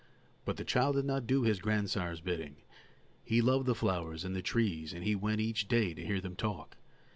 But the child did not do his grandsire's bidding; he loved the flowers and the trees, and he went each day to hear them talk.